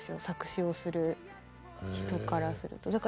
作詞をする人からすると。